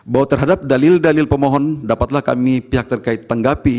bahwa terhadap dalil dalil pemohon dapatlah kami pihak terkait tanggapi